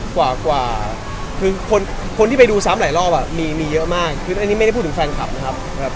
กว่าคือคนที่ไปดูซ้ำหลายรอบมีเยอะมากคืออันนี้ไม่ได้พูดถึงแฟนคลับนะครับ